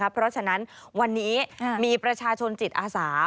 เพราะฉะนั้นวันนี้มีประชาชนจิตอาสา